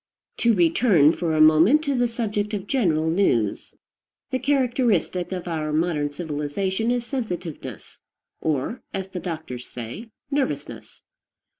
To return for a moment to the subject of general news. The characteristic of our modern civilization is sensitiveness, or, as the doctors say, nervousness.